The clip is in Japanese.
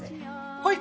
はい！